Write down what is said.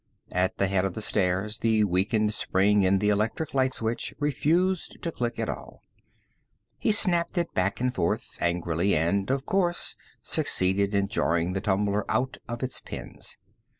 At the head of the stairs, the weakened spring in the electric light switch refused to click at all. He snapped it back and forth angrily and, of course, succeeded in jarring the tumbler out of its pins.